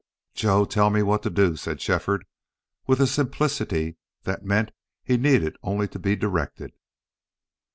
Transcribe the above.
"Joe, tell me what to do," said Shefford, with a simplicity that meant he needed only to be directed.